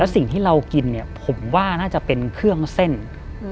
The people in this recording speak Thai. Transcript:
สิ่งที่เรากินเนี่ยผมว่าน่าจะเป็นเครื่องเส้น